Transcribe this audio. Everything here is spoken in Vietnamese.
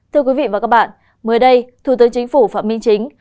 thưa quý vị và các bạn mới đây thủ tướng chính phủ phạm minh chính